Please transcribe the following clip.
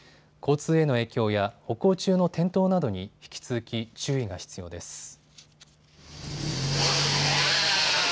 交通への影響や歩行中の転倒などに引き続き注意が必要です。